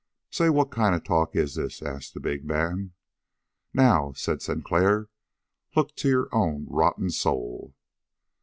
"Say, what kind of talk is this?" asked the big man. "Now," said Sinclair, "look to your own rotten soul!"